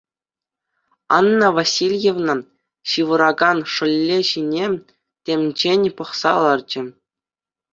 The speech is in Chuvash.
Анна Васильевна ҫывӑракан шӑллӗ ҫине темччен пӑхса ларчӗ.